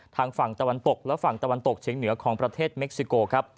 ทางฝั่งตะวันตกและฝั่งตะวันตกเฉียงเหนือของประเทศเม็กซิโกครับ